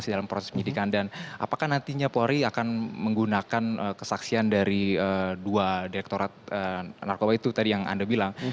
dan apakah nantinya polri akan menggunakan kesaksian dari dua direkturat narkoba itu tadi yang anda bilang